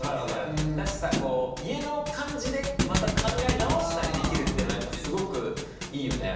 だしさ家の感じでまた考え直したりできるっていうのはやっぱすごくいいよね。